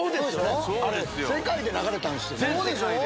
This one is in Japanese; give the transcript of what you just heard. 世界で流れたんすよね。